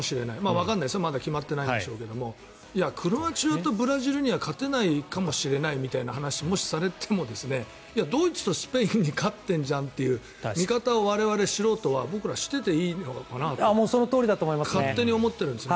わからないですよまだ決まっていないですけどクロアチアとブラジルには勝てないかもしれないという話をもしされてもいや、ドイツとスペインに勝っているじゃんという見方を我々、素人は僕らはしていていいのかなと勝手に思っているんですよね。